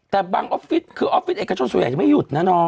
แต่บางออฟฟิศคือออฟฟิศเอกชนส่วนใหญ่จะไม่หยุดนะน้อง